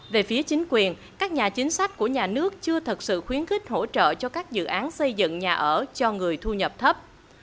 về phía chính quyền các nhà chính sách của nhà nước chưa thật sự khuyến khích hỗ trợ cho các dự án xây dựng nhà ở cho người thu nhập thấp